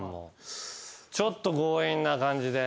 ちょっと強引な感じで。